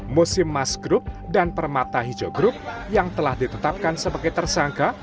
musim mas group dan permata hijau group yang telah ditetapkan sebagai tersangka